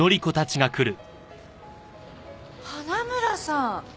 花村さん！